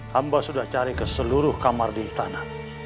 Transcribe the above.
hamba sudah cari ke seluruh kamar di istana